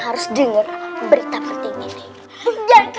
harus denger berita penting